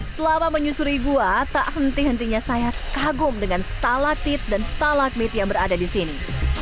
selama menyusuri gua tak henti hentinya saya kagum dengan stalaktit dan stalagmit yang berada di sini